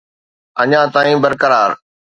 اڃا تائين برقرار.